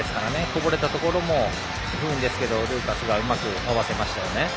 こぼれたところも不運ですがルーカスがうまくかわせましたね。